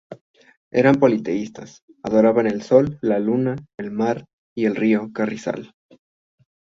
Eran politeístas, adoraban el sol, la luna, el mar y el río Carrizal.